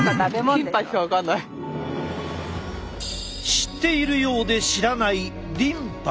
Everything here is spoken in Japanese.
知っているようで知らないリンパ。